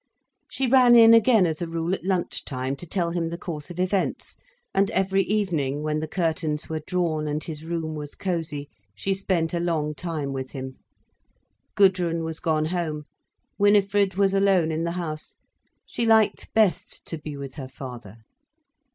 She ran in again as a rule at lunch time, to tell him the course of events, and every evening, when the curtains were drawn, and his room was cosy, she spent a long time with him. Gudrun was gone home, Winifred was alone in the house: she liked best to be with her father.